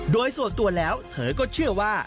โดยส่วนตัวแล้วเธอก็เชื่อว่า